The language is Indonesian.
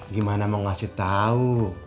gimana mau ngasih tau